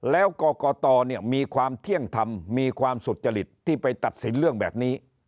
แล้วกรกตมีความเที่ยงธรรมมีความสุจริตที่ไปตัดสินเรื่องแบบนี้